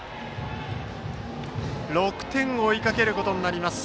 ６点を追いかけることになります。